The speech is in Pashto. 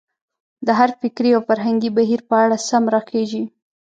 د هر فکري او فرهنګي بهیر په اړه سم راخېژي.